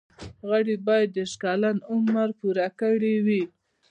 غړي باید دیرش کلن عمر پوره کړی وي.